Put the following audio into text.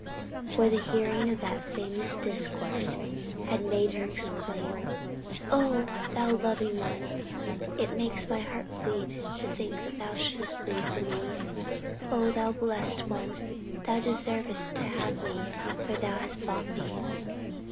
For the hearing of that famous discourse had made her exclaim: "Oh! Thou loving One, it makes my heart bleed to think that Thou shouldest bleed for me! Oh! Thou blessed One, Thou deservest to have me, for Thou hast bought me!